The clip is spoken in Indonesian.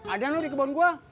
ada loh di kebun gua